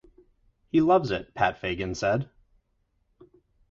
"He loves it," Pat Fagan said.